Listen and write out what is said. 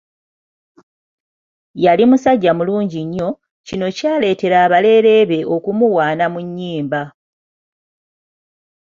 Yali musajja mulungi nnyo, kino kyaleetera abalere be okumuwaana mu nnyimba.